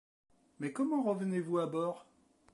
Mais comment revenez-vous à bord ?